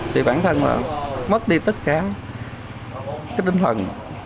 thì bản thân là mất đi tất cả cái tinh thần